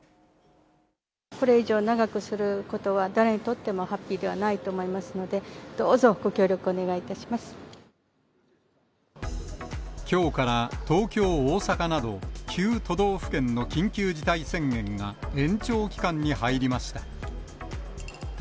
これ以上長くすることは誰にとってもハッピーではないと思いますので、どうぞ、ご協力をお願きょうから東京、大阪など、９都道府県の緊急事態宣言が延長期間に入りました。